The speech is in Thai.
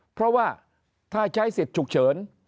เพราะว่าถ้าใช้สิทธิ์ฉุกเฉิน